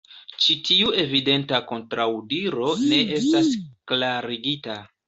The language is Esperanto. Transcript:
Ĉi tiu evidenta kontraŭdiro ne estas klarigita.